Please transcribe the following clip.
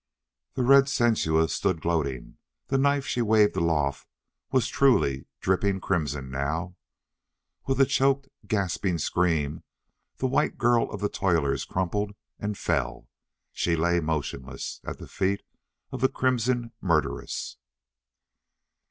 The red Sensua stood gloating. The knife she waved aloft was truly dripping crimson now. With a choked, gasping scream the white girl of the toilers crumpled and fell.... She lay motionless, at the feet of the crimson murderess.